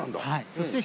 そして。